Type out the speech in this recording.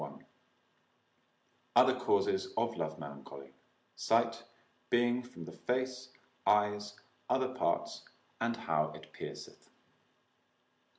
II.—Other causes of Love Melancholy, Sight, Being from the Face, Eyes, other parts, and how it pierceth.